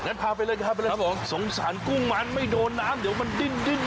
แล้วพาไปเลยครับสงสันกุ้งมันไม่โดนน้ำเดี๋ยวมันดิ้น